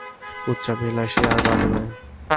উচ্চাভিলাষী আর বাজে মেয়ে।